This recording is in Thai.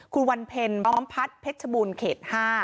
คุณวันเพลล้อมพัดเพชรบูรณ์เขต๕